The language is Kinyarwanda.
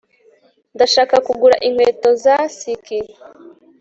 ndashaka kugura inkweto za ski